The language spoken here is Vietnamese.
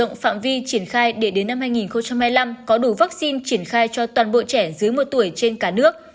trong phạm vi triển khai để đến năm hai nghìn hai mươi năm có đủ vaccine triển khai cho toàn bộ trẻ dưới một tuổi trên cả nước